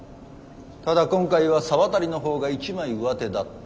ただ今回は沢渡の方が一枚うわてだった。